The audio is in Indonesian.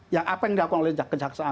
yang apa yang diakui oleh jeksaksan agung